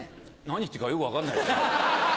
何言ってるかよく分かんないですね。